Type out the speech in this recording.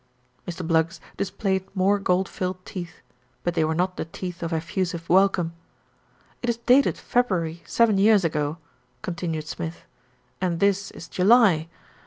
Mr. Bluggs displayed more gold filled teeth but they were not the teeth of effusive welcome. "It is dated February seven years ago," continued Smith, "and this is July.